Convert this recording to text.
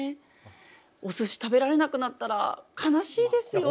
お寿司食べられなくなったら悲しいですよね。